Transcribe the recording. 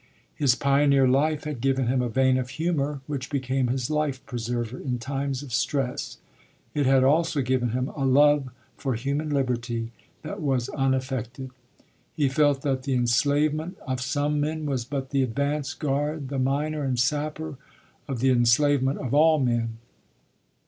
His pioneer life had given him a vein of humor which became his "Life preserver" in times of stress; it had also given him a love for human liberty that was unaffected. He felt that the enslavement of some men was but the advance guard, the miner and sapper, of the enslavement of all men.